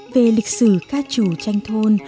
về lịch sử ca trù tranh thôn